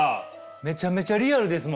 めちゃめちゃリアルですもんね。